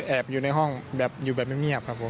แอบอยู่ในห้องอยู่แบบไม่เมียบครับผม